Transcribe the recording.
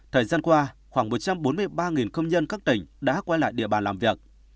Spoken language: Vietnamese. thời gian qua khoảng một trăm bốn mươi ba công nhân các tỉnh đã quay lại địa bàn làm việc